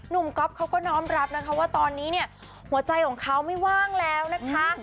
นุ่มก๊อปเขาก็น้อมรับว่าตอนนี้หัวใจของเขาไม่ว่างแล้วนะคะ